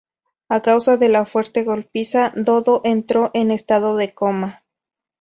A causa de la fuerte golpiza, Dodo entró en estado de coma.